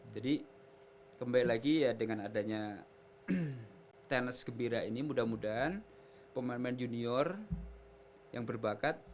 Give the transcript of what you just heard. jadi kembali lagi ya dengan adanya tennis kebira ini mudah mudahan pemain pemain junior yang berbakat